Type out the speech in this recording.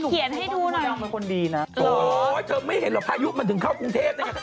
เขียนให้ดูหน่อยโอ๊ะเธอไม่เห็นเหรอพายุมันถึงเข้ากรุงเทศ